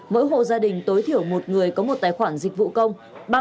mỗi hộ gia đình tối thiểu một người có một tài khoản dịch vụ công